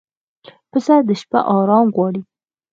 پسه د شپه آرام غواړي.